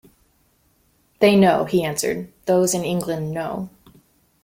"They know," he answered - "those in England know."